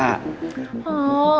aaaah opa susuit banget sih